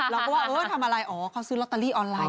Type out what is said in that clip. เราก็ว่าเออทำอะไรอ๋อเขาซื้อลอตเตอรี่ออนไลน